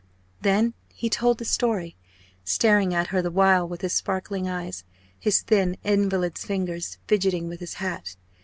Then he told the story, staring at her the while with his sparkling eyes, his thin invalid's fingers fidgeting with his hat.